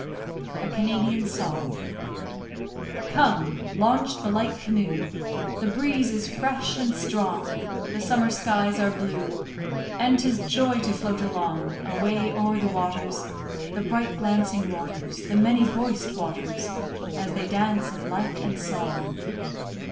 A CANADIAN SONG Come, launch the light canoe; The breeze is fresh and strong; The summer skies are blue, And 'tis joy to float along; Away o'er the waters, The bright glancing waters, The many voiced waters, As they dance in light and song.